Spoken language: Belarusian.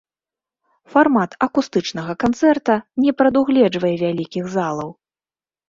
Фармат акустычнага канцэрта не прадугледжвае вялікіх залаў.